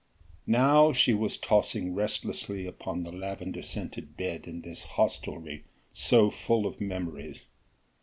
Now she was tossing restlessly upon the lavender scented bed in this hostelry so full of memories.